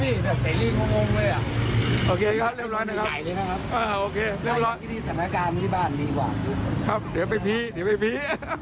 เดี๋ยวไปพี